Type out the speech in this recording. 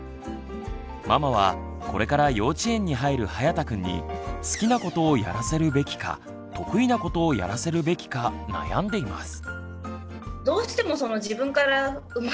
ママはこれから幼稚園に入るはやたくんに好きなことをやらせるべきか得意なことをやらせるべきか悩んでいます。